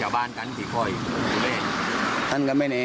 ว่าไม่